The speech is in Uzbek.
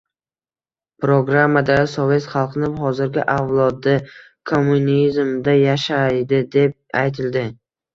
Programmada: sovet xalqini hozirgi avlodi kommunizmda yashaydi, deb aytildi.